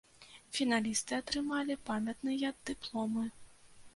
Фіналісты атрымалі памятныя дыпломы.